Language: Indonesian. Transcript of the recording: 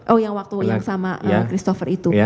oh yang waktu yang sama christopher itu